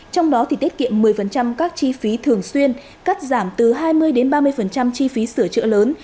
trong đó thì tiết kiệm một mươi các chi phí thường xuyên cắt giảm từ hai mươi ba mươi chi phí sửa chữa lớn